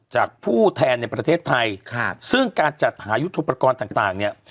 จากผู้แทนในประเทศไทยซึ่งการจัดหายุทธโปรกรณ์ต่างเนี่ย